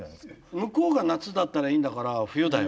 向こうが夏だったらいいんだから冬だよ。